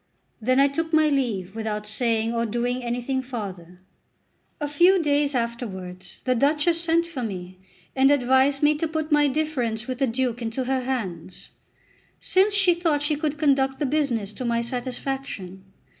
Then I took my leave without saying or doing anything farther. A few days afterwards the Duchess sent for me, and advised me to put my difference with the Duke into her hands, since she thought she could conduct the business to my satisfaction.